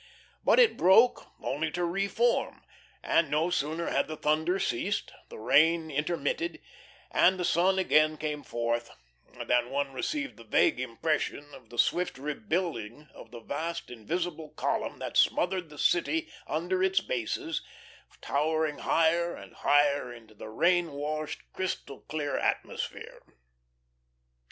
But it broke only to reform, and no sooner had the thunder ceased, the rain intermitted, and the sun again come forth, than one received the vague impression of the swift rebuilding of the vast, invisible column that smothered the city under its bases, towering higher and higher into the rain washed, crystal clear atmosphere.